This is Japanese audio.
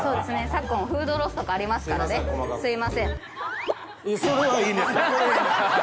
昨今フードロスとかありますからねすいません。